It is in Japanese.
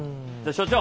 所長。